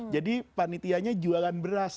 jadi panitianya jualan beras